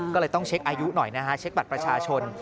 ก็เลยต้องเช็คอายุหน่อยนะฮะเช็คบัตรประชาชน